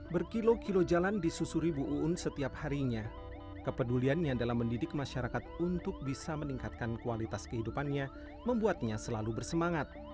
berkilo kilo jalan disusuri bu uun setiap harinya kepeduliannya dalam mendidik masyarakat untuk bisa meningkatkan kualitas kehidupannya membuatnya selalu bersemangat